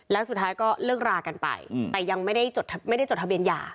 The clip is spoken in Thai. แล้วสุดท้ายก็เลิกรากันไปแต่ยังไม่ได้จดทะเบียนหย่า